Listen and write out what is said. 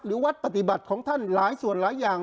วัดปฏิบัติของท่านหลายส่วนหลายอย่าง